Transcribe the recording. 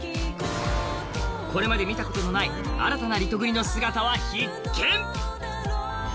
これまで見たことのない新たなリトグリの姿は必見。